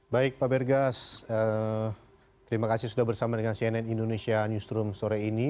baik pak bergas terima kasih sudah bersama dengan cnn indonesia newsroom sore ini